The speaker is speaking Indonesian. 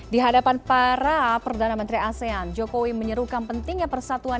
di hadapan para perdana menteri asean jokowi menyerukan pentingnya persatuan